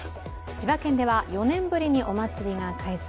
千葉県では４年ぶりにお祭りが開催。